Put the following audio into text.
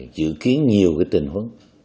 thì dự kiến nhiều cái tình huống